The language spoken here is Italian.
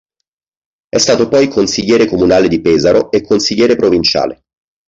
È stato poi consigliere comunale di Pesaro e consigliere provinciale.